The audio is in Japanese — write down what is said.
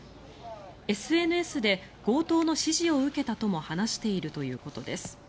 ＳＮＳで強盗の指示を受けたとも話しているということです。